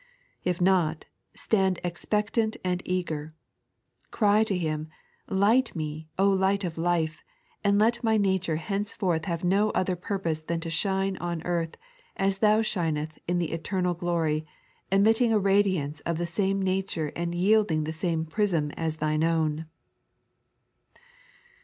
If not, stuid ex pectant and eager ; cry to Him, " Light me, Light of Life, and let my nature henceforth have no other purpose than to shine on earth, as Thou shineet in the Eternal Glory, emitting a radiance of the same nature and yielding tbe same prism as Thine own."